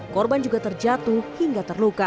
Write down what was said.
korban juga terjatuh hingga terluka